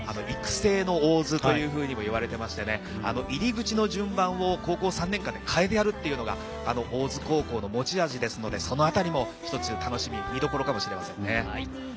育成の大津ともいわれてまして、入り口の順番を高校３年間で変えてやるというのが大津高校の持ち味ですので、そのあたりも一つ楽しみ、見どころかもしれません。